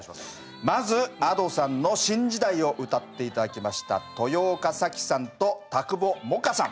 まずＡｄｏさんの「新時代」を歌って頂きました豊岡咲貴さんと田久保萌夏さん。